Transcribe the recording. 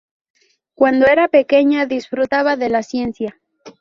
Cuando era pequeña, disfrutaba de la ciencia.